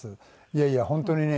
いやいや本当にね